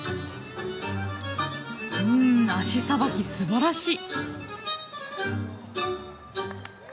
うん足さばきすばらしい！